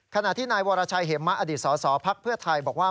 ขณะที่นายวรชัยเหมะอดีตสสพักเพื่อไทยบอกว่า